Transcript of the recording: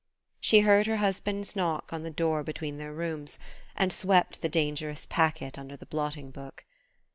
She heard her husband's knock on the door between their rooms, and swept the dangerous packet under the blotting book.